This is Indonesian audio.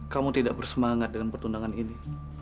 kamu tidak bersemangat dengan pertundangan ini